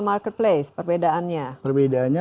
marketplace perbedaannya perbedaannya